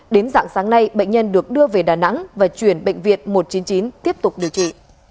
đến dạng sáng nay bệnh nhân được đưa về đà nẵng và chuyển bệnh viện một trăm chín mươi chín tiếp tục điều trị